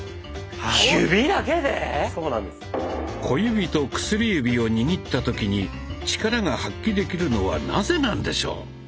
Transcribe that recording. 小指と薬指を握った時にチカラが発揮できるのはなぜなんでしょう？